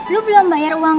lu belum bayar uang